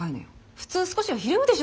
普通少しはひるむでしょ